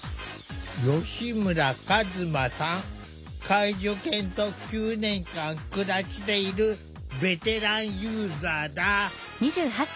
介助犬と９年間暮らしているベテランユーザーだ。